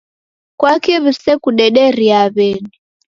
Kwaki w'isekudederie w'eni?